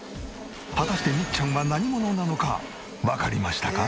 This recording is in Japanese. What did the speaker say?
果たしてみっちゃんは何者なのかわかりましたか？